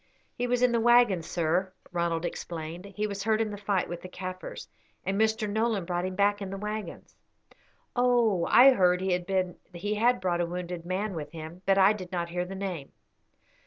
"He was in the waggon, sir," Ronald explained; "he was hurt in the fight with the Kaffirs, and Mr. Nolan brought him back in the waggons." "Oh, I heard he had brought a wounded man with him; but I did not hear the name.